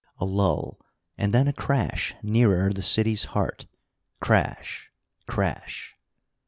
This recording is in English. A lull, and then a crash nearer the city's heart. Crash! Crash!